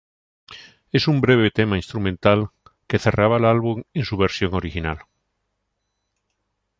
Es un breve tema instrumental que cerraba el álbum en su versión original.